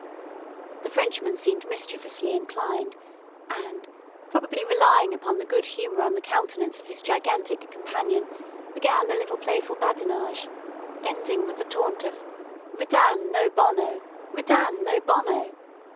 The Frenchman seemed mischievously inclined, and, probably relying upon the good humour on the countenance of his gigantic companion, began a little playful badinage, ending with the taunt of "Redan, no bono Redan, no bono."